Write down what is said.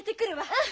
うん！